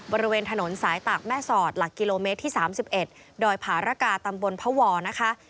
บริเวณถนนสายตากแม่สอดหลักกิโลเมตรที่๓๑ดอยผารกาตำบลพวนะคะ